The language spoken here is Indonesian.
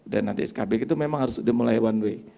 dan nanti skb itu memang harus sudah mulai one way